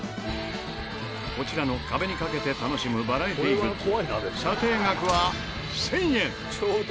こちらの壁にかけて楽しむバラエティグッズ査定額は１０００円。